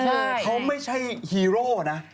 ใช่เขาไม่ใช่ฮีโร่นะ